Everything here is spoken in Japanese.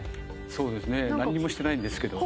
そうですね何もしてないんですけど。